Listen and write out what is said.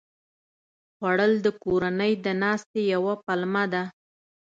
خوړل د کورنۍ د ناستې یوه پلمه ده